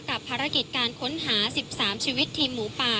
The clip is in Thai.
กับภารกิจการค้นหา๑๓ชีวิตทีมหมูป่า